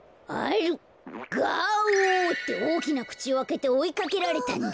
「ガオ！」っておおきなくちをあけておいかけられたんだ。